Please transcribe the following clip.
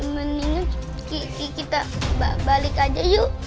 mendingan kita balik aja yuk